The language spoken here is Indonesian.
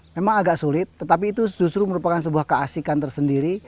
memang agak sulit tetapi itu justru merupakan sebuah keasikan tersendiri